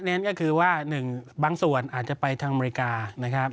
ก็คือว่าหนึ่งบางส่วนอาจจะไปทางอเมริกานะครับ